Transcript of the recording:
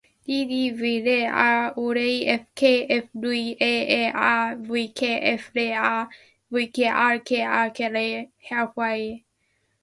ｄｄｖ れあうれい ｆ け ｆ るいええあ ｖｋｆ れあ ｖ け ｒｖ け ｒｖ れいへはうふぁういえ